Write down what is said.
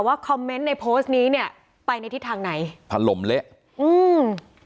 ว่าคอมเมนต์ในโพสต์นี้เนี้ยไปในทิศทางไหนถล่มเละอืม